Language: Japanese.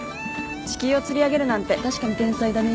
地球を釣り上げるなんて確かに天才だね。